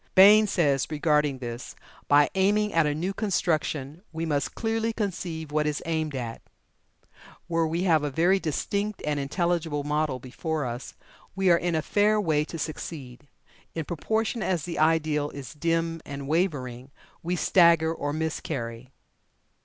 Bain says regarding this: "By aiming at a new construction, we must clearly conceive what is aimed at. Where we have a very distinct and intelligible model before us, we are in a fair way to succeed; in proportion as the ideal is dim and wavering, we stagger or miscarry."